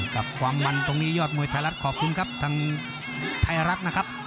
กับความมันตรงนี้ยอดมวยไทยรัฐขอบคุณครับทางไทยรัฐนะครับ